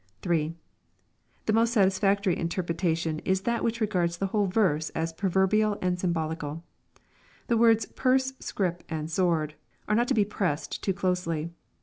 3. The most satisfactory interpretation is that which regards the whole verse as proverbial and symbolical. The words " purse, scrip, and sword," are not to be pressed too closely.